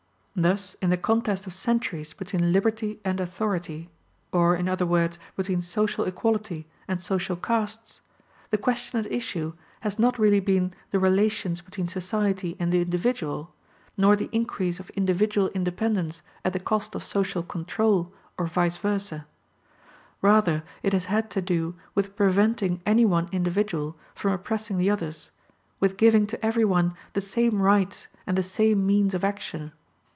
Thus, in the contest of centuries between liberty and authority, or, in other words, between social equality and social castes, the question at issue has not really been the relations between society and the individual, nor the increase of individual independence at the cost of social control, or vice versa. Rather it has had to do with preventing any one individual from oppressing the others; with giving to everyone the same rights and the same means of action.